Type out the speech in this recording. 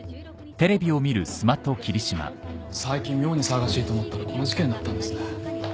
最近妙に騒がしいと思ったらこの事件だったんですね。